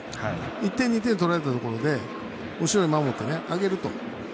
１点、２点、取られたところで後ろで守ってあげると。